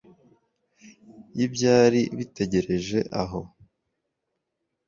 y'ibyari bitegereje aho.